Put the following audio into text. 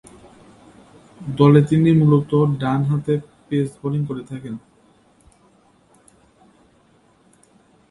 দলে তিনি মূলতঃ ডানহাতে পেস বোলিং করে থাকেন।